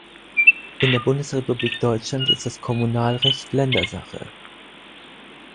In der Bundesrepublik Deutschland ist das Kommunalrecht Ländersache.